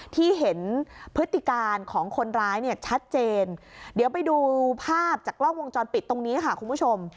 ที่เห็นพฤติการของคนร้ายเนี่ยชัดเจนเดี๋ยวไปดูภาพจากกล้องวงจรปิดตรงนี้ค่ะคุณผู้ชม